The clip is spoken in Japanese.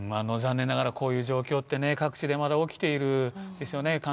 残念ながらこういう状況ってね各地でまだ起きているんですよね。